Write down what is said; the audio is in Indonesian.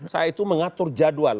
saya itu mengatur jadwal